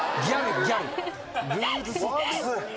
ルーズソックス。